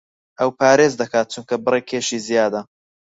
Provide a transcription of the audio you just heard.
ئەو پارێز دەکات چونکە بڕێک کێشی زیادە.